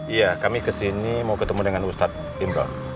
iya kami kesini mau ketemu dengan ustadz imroh